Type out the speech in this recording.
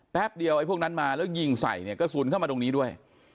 แป๊บเดียวไอ้พวกนั้นมาแล้วยิงใส่เนี่ยกระสุนเข้ามาตรงนี้ด้วย